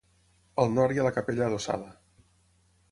Al nord hi ha la capella adossada.